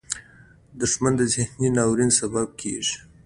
• دښمني د ذهني ناورین سبب کېږي.